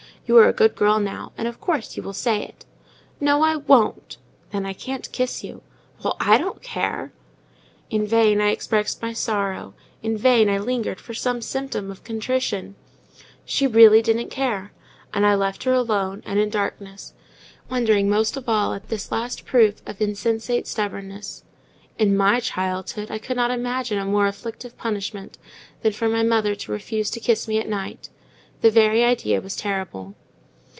You are a good girl now, and, of course, you will say it." "No, I won't." "Then I can't kiss you." "Well, I don't care." In vain I expressed my sorrow; in vain I lingered for some symptom of contrition; she really "didn't care," and I left her alone, and in darkness, wondering most of all at this last proof of insensate stubbornness. In my childhood I could not imagine a more afflictive punishment than for my mother to refuse to kiss me at night: the very idea was terrible.